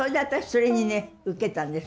それにね受けたんです。